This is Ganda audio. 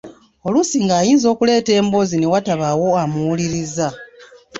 Oluusi ng'ayinza okuleeta emboozi ne watabaawo amuwuliriza.